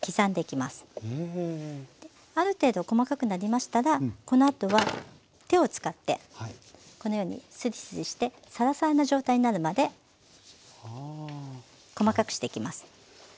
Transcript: ある程度細かくなりましたらこのあとは手を使ってこのようにすりすりしてサラサラな状態になるまで細かくしていきます。